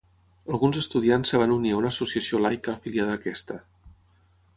Alguns estudiants es van unir a una associació laica afiliada a aquesta.